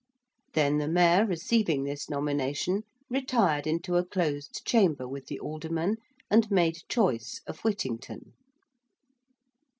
Then the Mayor receiving this nomination retired into a closed chamber with the Aldermen and made choice of Whittington.